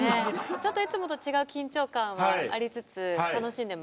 ちょっといつもと違う緊張感はありつつ楽しんでます。